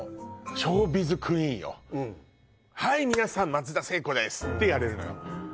「はい皆さん松田聖子です！」ってやれるのよ